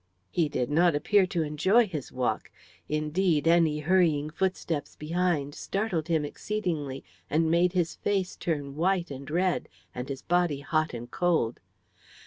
He did not appear to enjoy his walk; indeed, any hurrying footsteps behind startled him exceedingly and made his face turn white and red, and his body hot and cold.